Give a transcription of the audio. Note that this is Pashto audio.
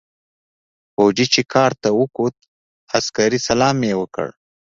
فوجي چې کارت ته وکوت عسکري سلام يې وکړ.